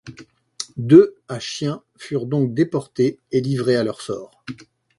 De à chiens furent donc déportés et livrés à leur sort.